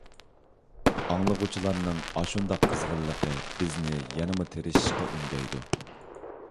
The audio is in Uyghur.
ئاڭلىغۇچىلارنىڭ ئاشۇنداق قىزغىنلىقى بىزنى يەنىمۇ تىرىشىشقا ئۈندەيدۇ.